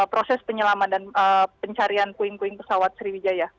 proses penyelaman dan pencarian kuing kuing pesawat sriwijaya